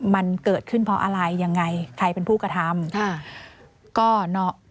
มันเกิดขึ้นเพราะอะไรยังไงใครเป็นผู้กระทำ